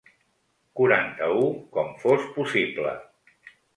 Quaranta-u com fos possible.